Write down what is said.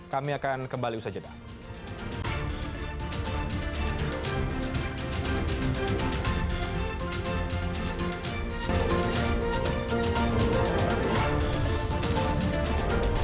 kami akan kembali usaha jadwal